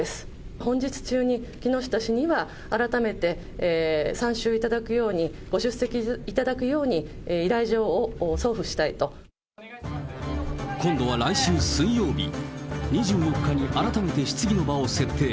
本日中に木下氏には、改めて参集いただくように、ご出席いただく今度は来週水曜日。２４日に改めて質疑の場を設定。